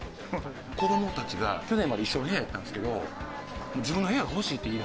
子供たちが去年まで一緒の部屋やったんですけど自分の部屋が欲しいって言いだして。